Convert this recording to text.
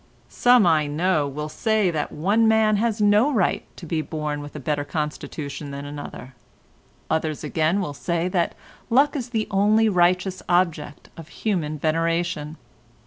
Some I know, will say that one man has no right to be born with a better constitution than another; others again will say that luck is the only righteous object of human veneration.